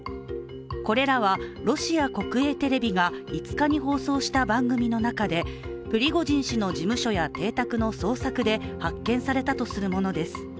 これらはロシア国営テレビが５日に放送した番組の中でプリゴジン氏の事務所や邸宅の捜索で発見されたとするものです。